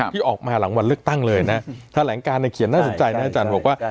ที่ออกมาหลังวันเลือกตั้งเลยนะแถลงการเขียนน่าสนใจนะอาจารย์บอกว่า